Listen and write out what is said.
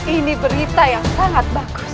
ini berita yang sangat bagus